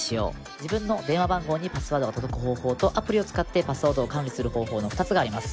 自分の電話番号にパスワードが届く方法とアプリを使ってパスワードを管理する方法の２つがあります。